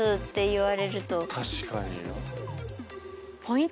確かに。